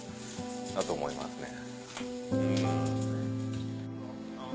だと思いますね。